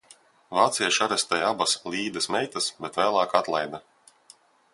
Vācieši arestēja abas Līdas meitas, bet vēlāk atlaida.